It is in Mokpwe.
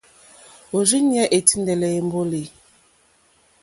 Òrzìɲɛ́ î tíndɛ̀lɛ̀ èmbólì.